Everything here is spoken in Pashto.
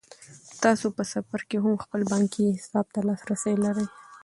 تاسو په سفر کې هم خپل بانکي حساب ته لاسرسی لرئ.